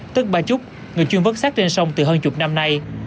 tức bà trúc người chuyên vấn sát trên sông từ hơn chục năm nay